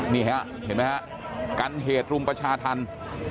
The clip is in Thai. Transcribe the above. นี่ฮะเห็นไหมฮะกันเหตุรุมประชาธรรม